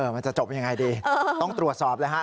มันจะจบยังไงดีต้องตรวจสอบเลยฮะ